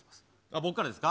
僕からですか。